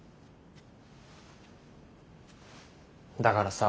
だからさ。